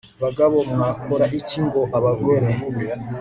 Bagabo mwakora iki ngo abagore